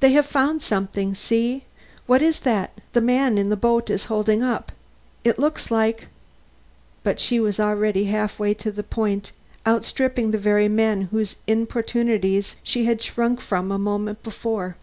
"They have found something. See! what is that the man in the boat is holding up? It looks like " But she was already half way to the point, outstripping the very men whose importunities she had shrunk from a moment before.